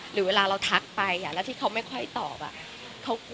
หรือเวลาเราทักไปแล้วที่เขาไม่ค่อยตอบ